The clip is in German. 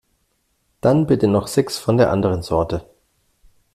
Dann bitte noch sechs von der anderen Sorte.